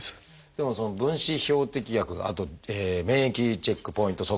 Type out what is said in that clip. でもその分子標的薬あと免疫チェックポイント阻害薬。